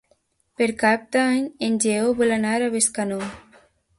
Per Cap d'Any en Lleó vol anar a Bescanó.